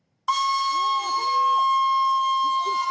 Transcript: びっくりした！